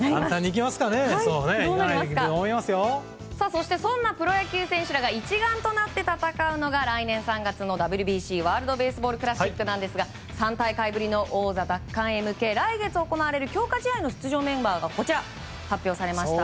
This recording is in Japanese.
そしてそんなプロ野球選手らが一丸となって戦うのが来年３月のＷＢＣワールド・ベースボール・クラシックですが３大会ぶりの王座奪還へ向け来月行われる強化試合の出場メンバーが発表されました。